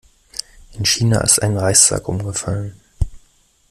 In China ist ein Reissack umgefallen.